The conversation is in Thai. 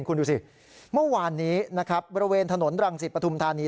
คุณดูสิเมื่อวานนี้นะครับบริเวณถนนรังสิตปฐุมธานี